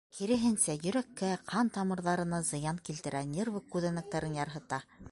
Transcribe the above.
Киреһенсә, йөрәккә, ҡан тамырҙарына зыян килтерә, нервы күҙәнәктәрен ярһыта.